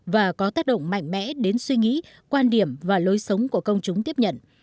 và có tác động mạnh mẽ đến suy nghĩ quan điểm và lối sống của công chúng tiếp nhận